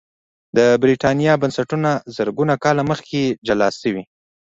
د برېټانیا بنسټونه زرګونه کاله مخکې جلا شوي